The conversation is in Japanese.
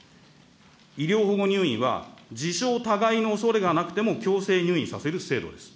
医療保護入院は、自傷、他害のおそれがなくても強制入院させる制度です。